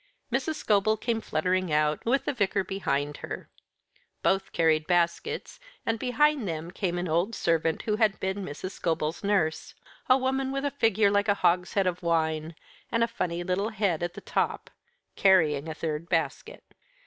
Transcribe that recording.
Mrs. Scobel came fluttering out, with the Vicar behind her. Both carried baskets, and behind them came an old servant, who had been Mrs. Scobel's nurse, a woman with a figure like a hogshead of wine, and a funny little head at the top, carrying a third basket.